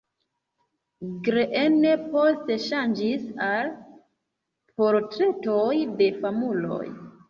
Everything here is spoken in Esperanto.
Greene poste ŝanĝis al portretoj de famuloj.